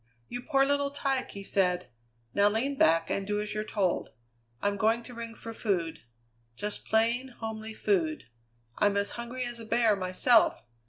"You poor little tyke!" he said. "Now lean back and do as you're told. I'm going to ring for food. Just plain, homely food. I'm as hungry as a bear myself.